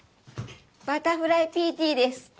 バタフライピーティーです。